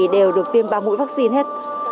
đều được tiêm ba mũi vaccine hết